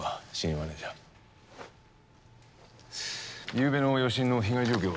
ゆうべの余震の被害状況は？